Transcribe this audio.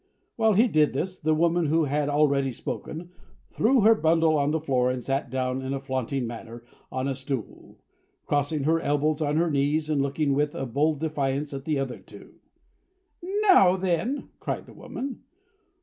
While he did this, the woman who had already spoken threw her bundle on the floor and sat down in a flaunting manner on a stool; crossing her elbows on her knees, and looking with a bold defiance at the other two. "Now, then!" cried the woman.